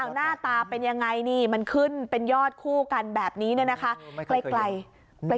หน้าตาเป็นยังไงนี่มันขึ้นเป็นยอดคู่กันแบบนี้เนี่ยนะคะไกล